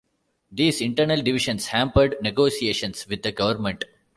These internal divisions hampered negotiations with the government.